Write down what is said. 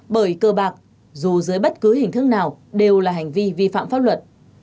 bởi cơ bạc dù dưới bất cứ hình thức nào đều là hành vi vi phạm pháp luật